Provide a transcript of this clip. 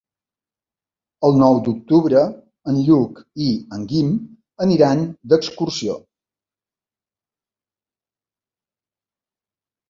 El nou d'octubre en Lluc i en Guim aniran d'excursió.